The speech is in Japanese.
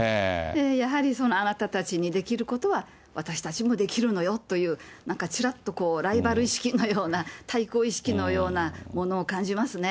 やはり、あなたたちにできることは、私たちもできるのよという、なんかちらっとこう、ライバル意識のような、対抗意識のようなものを感じますね。